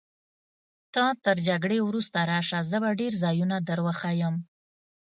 ته تر جګړې وروسته راشه، زه به ډېر ځایونه در وښیم.